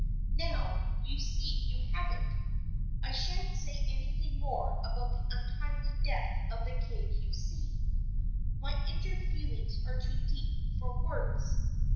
Now you see you haven't. I shan't say anything more about the untimely death of the Kay Cue See. My injured feelings are too deep for words.